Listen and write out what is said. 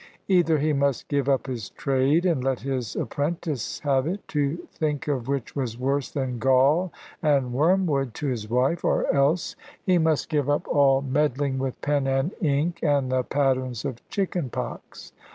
Either he must give up his trade, and let his apprentice have it to think of which was worse than gall and wormwood to his wife or else he must give up all meddling with pen and ink and the patterns of chicken pox.